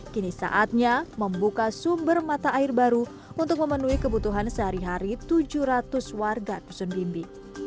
kini saatnya membuka sumber mata air baru untuk memenuhi kebutuhan sehari hari tujuh ratus warga dusun bimbi